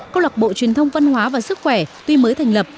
câu lạc bộ truyền thông văn hóa và sức khỏe tuy mới thành lập